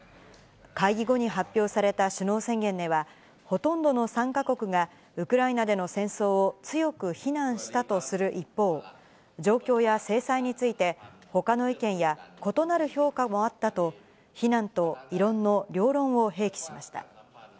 会議後に発表された首脳宣言では、ほとんどの参加国がウクライナでの戦争を強く非難したとする一方、状況や制裁について、ほかの意見や異なる評価もあったと、非難と異論の両論を併記しました。